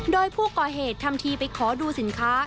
โดยผู้ก่อเหตุทำทีไปขอดูสินค้า